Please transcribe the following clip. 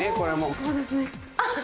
そうですね。